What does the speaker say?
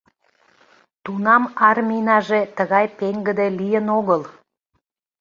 — Тунам армийнаже тыгай пеҥгыде лийын огыл.